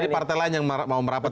jadi partai lain yang mau merapat